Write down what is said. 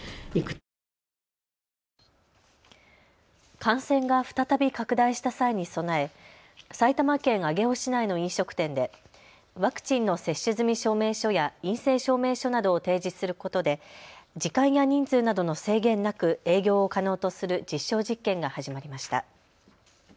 感染が再び拡大した際に備え埼玉県上尾市内の飲食店でワクチンの接種済み証明書や陰性証明書などを提示することで時間や人数などの制限なく営業を可能とする実証実験が始まりました。